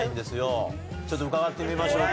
ちょっと伺ってみましょうか。